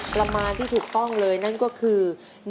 ประมาณที่ถูกต้องเลยนั่นก็คือ